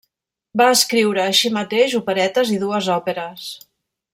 Va escriure així mateix operetes i dues òperes.